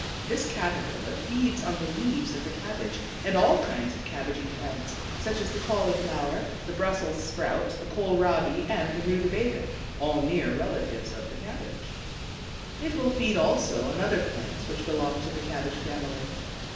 This Caterpillar feeds on the leaves of the cabbage and all kinds of cabbagey plants, such as the cauliflower, the Brussels sprout, the kohlrabi, and the rutabaga, all near relatives of the cabbage. It will feed also on other plants which belong to the cabbage family.